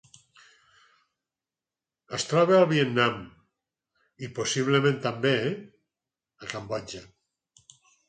Es troba al Vietnam i, possiblement també, a Cambodja.